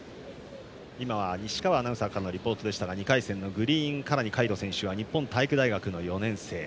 西川アナウンサーからのリポートでしたが２回戦のグリーンカラニ海斗選手は日本体育大の４年生。